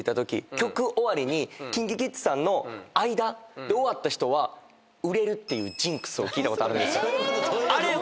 曲終わりにＫｉｎＫｉＫｉｄｓさんの間で終わった人は売れるっていうジンクスを聞いたことあるんです。